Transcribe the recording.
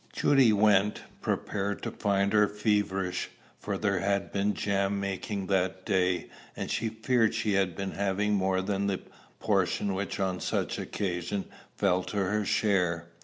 Judy went, prepared to find her feverish; for there had been jam making that day, and she feared she had been having more than the portion which on such an occasion fell to her share.